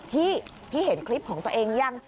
พี่พี่เห็นคลิปของตัวเองยัง